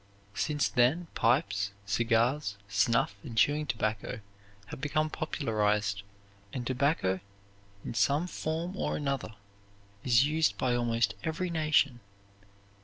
Since then pipes, cigars, snuff and chewing tobacco have become popularized and tobacco in some form or another is used by almost every nation.